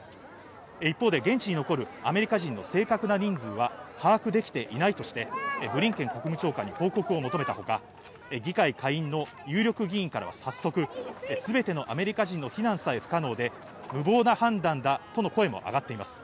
一方で現地に残るアメリカ人の正確な人数は把握できていないとして、ブリンケン国務長官に報告を求めたほか、議会下院の有力議員からは早速、全てのアメリカ人の避難さえ不可能で無謀な判断だとの声もあがっています。